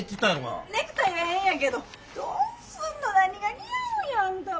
ネクタイはええんやけどどうすんの何が似合うんよあんたは。